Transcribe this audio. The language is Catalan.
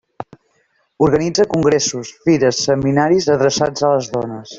Organitza congressos, fires, seminaris adreçats a les dones.